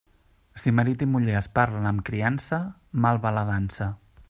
Si marit i muller es parlen amb criança, mal va la dansa.